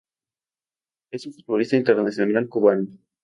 Es un futbolista internacional cubano.